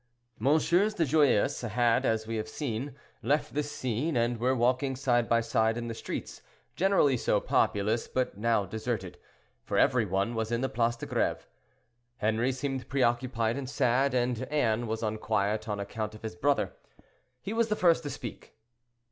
MM. De Joyeuse had, as we have seen, left this scene, and were walking side by side in the streets generally so populous but now deserted, for every one was in the Place de Greve. Henri seemed preoccupied and sad, and Anne was unquiet on account of his brother. He was the first to speak.